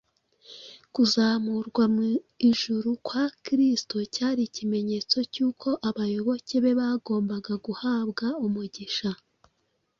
Kuzamurwa mu ijuru kwa Kristo cyari ikimenyetso cy’uko abayoboke be bagombaga guhabwa umugisha.